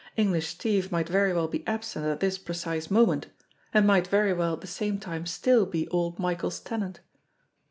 English Steve might very well be absent at this precise moment and might very well at the same time still be old Michael's tenant.